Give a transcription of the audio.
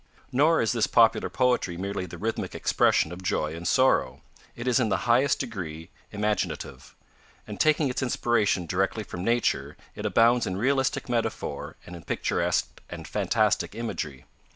Nor is this popular poetry merely the rhythmic expression of joy and sorrow; it is in the highest degree imaginative; and taking its inspiration directly from nature it abounds in realistic metaphor and in picturesque and fantastic imagery.